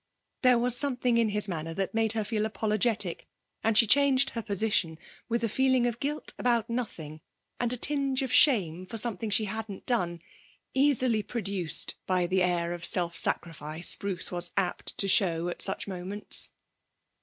There was something in his manner that made her feel apologetic, and she changed her position with the feeling of guilt about nothing, and a tinge of shame for something she hadn't done, easily produced by an air of self sacrifice Bruce was apt to show at such moments.